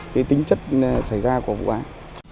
cái tính chất xảy ra của vụ án